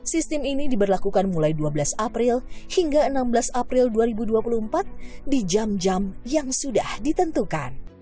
sistem ini diberlakukan mulai dua belas april hingga enam belas april dua ribu dua puluh empat di jam jam yang sudah ditentukan